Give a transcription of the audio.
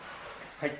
はい。